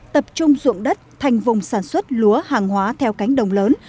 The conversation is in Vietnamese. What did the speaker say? tập trung dụng đất thành vùng sản xuất lúa hàng hóa theo cánh đồng lớn